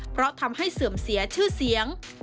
เพราะทำให้เสื่อมเสียชื่อเสียง